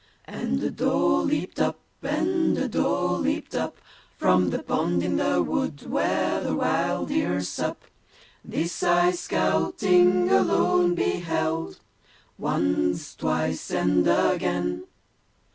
And a doe leaped up, and a doe leaped up From the pond in the wood where the wild deer sup. This I, scouting alone, beheld, Once, twice and again!